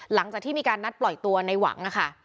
หลังจากที่มีการนัดปล่อยตัวในหวังนะคะ